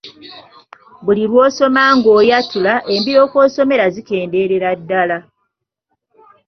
Buli lw'osoma ng'oyatula embiro kw'osomera zikendeerera ddala.